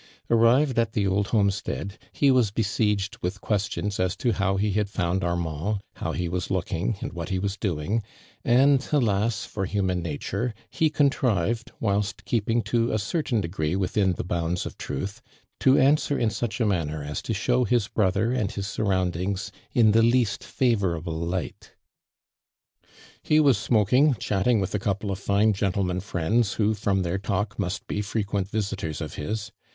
Arrived at the old home stea<l, he was besieged with (juestions as to how he kad found Armand, how he wa^^ looking, and what Ive was doing ; and, ahia • for human natuie, Ire contrived, wlrilst keei)ing to n certain degree within the "itounds of truth, to answer in such a manner as to show his brother and his surroundings in tiie least favorable light. "lie was smoking, chatting with a couple ot fine gentleman friends, who, from their talk, must be frequent visitors of his.